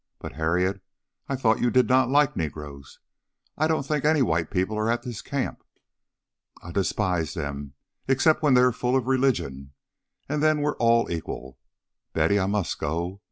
"But, Harriet, I thought you did not like negroes. I don't think any white people are at this camp." "I despise them except when they're full of religion, and then we're all equal. Betty, I must go.